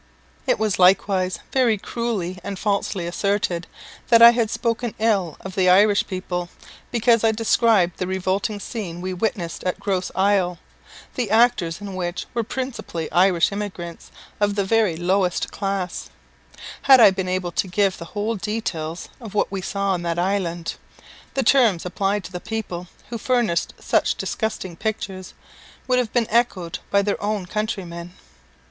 It was likewise very cruelly and falsely asserted, that I had spoken ill of the Irish people, because I described the revolting scene we witnessed at Grosse Isle, the actors in which were principally Irish emigrants of the very lowest class. Had I been able to give the whole details of what we saw on that island, the terms applied to the people who furnished such disgusting pictures would have been echoed by their own countrymen.